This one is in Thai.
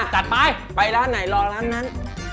จัดไปไปร้านไหนลองร้านนั้น